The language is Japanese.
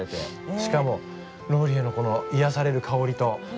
しかもローリエのこの癒やされる香りと最高。